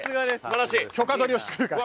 許可取りをしてくるから。